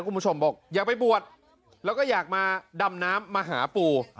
คุณผู้ชมบอกอยากไปบวชแล้วก็อยากมาดำน้ำมาหาปู่